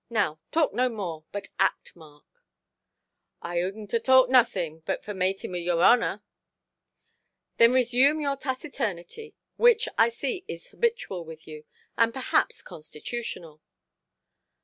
Now talk no more, but act, Mark". "I oodnʼt a talked nothing, but for mating with your honour". "Then resume your taciturnity, which I see is habitual with you, and perhaps constitutional".